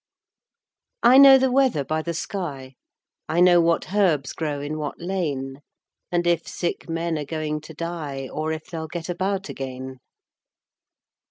I know the weather by the sky, I know what herbs grow in what lane; And if sick men are going to die, Or if they'll get about again.